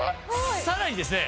さらにですね